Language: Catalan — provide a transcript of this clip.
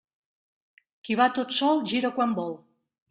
Qui va tot sol, gira quan vol.